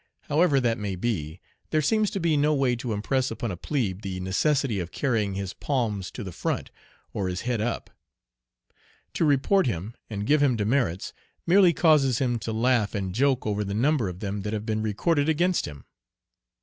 However that may be, there seems to be no way to impress upon a plebe the necessity of carrying his "palms to the front," or his "head up." To report him and give him demerits merely causes him to laugh and joke over the number of them that have been recorded against him.